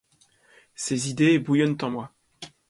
Ces idées bouillonnent en moi.